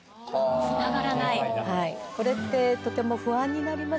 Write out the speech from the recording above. これってとても不安になりますよね。